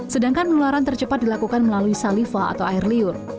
sedangkan penularan tercepat dilakukan melalui saliva atau air liur